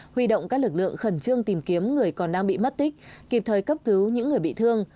huy động các lực lượng khẩn trương tìm kiếm người còn đang bị mất tích kịp thời cấp cứu những người bị thương